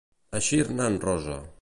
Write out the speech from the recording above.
Eixir-ne en rosa.